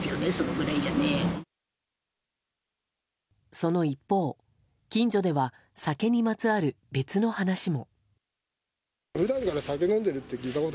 その一方、近所では酒にまつわる別の話も。